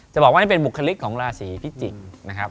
บอกว่านี่เป็นบุคลิกของราศีพิจิกษ์นะครับ